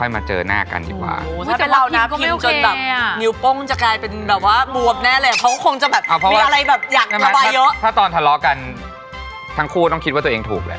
ถ้าตอนทะเลาะกันทั้งคู่ต้องคิดว่าตัวเองถูกแล้ว